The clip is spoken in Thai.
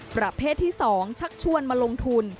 ประเภทที่๒ชักชวนมาลงทุน